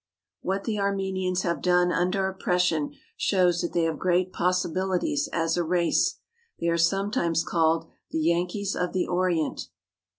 What the Armenians have done under oppression shows that they have great possibilities as a race. They are sometimes called the Yankees of the Orient.